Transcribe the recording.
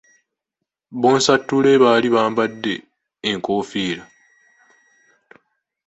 Bonsatule baali bambadde enkofiira.